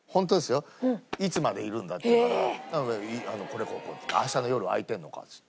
「いつまでいるんだ？」って言うから「これこうこう」「明日の夜空いてるのか？」。